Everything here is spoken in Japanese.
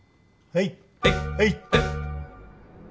はい。